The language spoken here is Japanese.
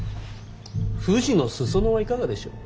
富士の裾野はいかがでしょう。